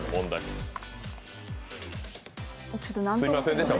ちょっと何とも。